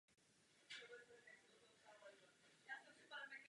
Proto je důležité, abychom se o kosmetiku zajímali.